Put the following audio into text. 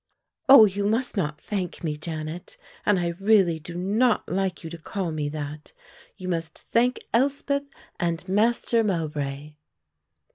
"Oh, you must not thank me, Janet, and I really do not like you to call me that, you must thank Elspeth and Master Mowbray."